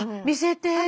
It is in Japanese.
見せて。